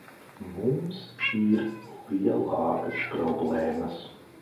Mums ir lielākas problēmas.